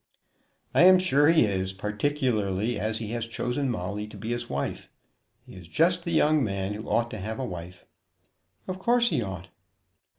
"I am sure he is; particularly as he has chosen Molly to be his wife. He is just the young man who ought to have a wife." "Of course he ought."